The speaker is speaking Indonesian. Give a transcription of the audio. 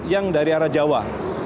yang dari arah jawa